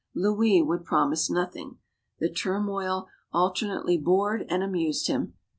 Louis would promise nothing. The turmoil alter nately bored and amused him.